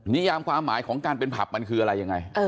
ยามความหมายของการเป็นผับมันคืออะไรยังไง